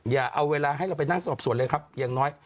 อย่าเอาเวลาให้เราไปนั่งสอบส่วนเลยครับอย่างน้อย